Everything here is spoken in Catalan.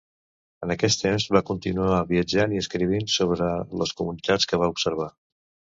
En aquest temps va continuar viatjant i escrivint sobre les comunitats que va observar.